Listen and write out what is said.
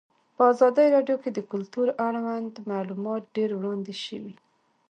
په ازادي راډیو کې د کلتور اړوند معلومات ډېر وړاندې شوي.